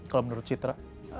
kalau menurut citra